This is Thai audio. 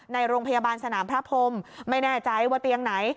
ในโรงพยาบาลสนามพระพรมไม่แน่ใจว่าเตียงไหน